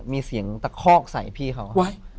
มีเสียงตะคอกใส่พี่เขา